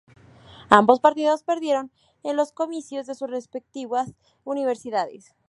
Ambos partidos perdieron en los comicios de sus respectivas universidades.